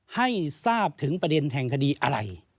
ให้ทราบถึงประเด็นแห่งคดีอะไร